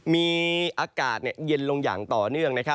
มีอากาศเย็นลงอย่างต่อเนื่อง